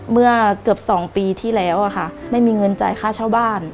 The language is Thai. เมื่อเกือบ๒ปีที่แล้วค่ะไม่มีเงินจ่ายค่าเช่าบ้าน